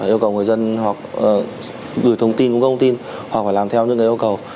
yêu cầu người dân hoặc gửi thông tin cũng không tin hoặc phải làm theo những yêu cầu